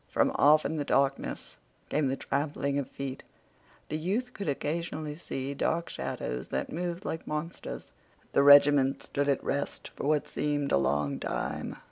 From off in the darkness came the trampling of feet. The youth could occasionally see dark shadows that moved like monsters. The regiment stood at rest for what seemed a long time.